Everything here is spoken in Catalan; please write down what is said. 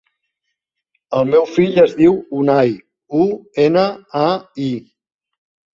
El meu fill es diu Unai: u, ena, a, i.